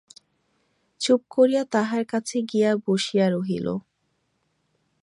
চুপ করিয়া তাঁহার কাছে গিয়া বসিয়া রহিল।